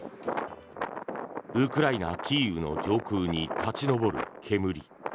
ウクライナ・キーウの上空に立ち上る煙。